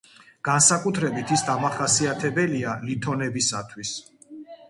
განსაკუთრებით ის დამახასიათებელია ლითონებისათვის.